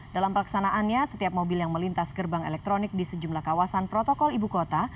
dalam pelaksanaannya setiap mobil yang melintas gerbang elektronik di sejumlah kawasan protokol ibu kota